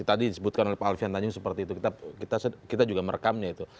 tadi disebutkan oleh pak alfian tanjung seperti itu kita juga merekamnya itu